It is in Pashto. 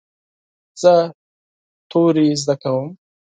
زه حروف زده کوم.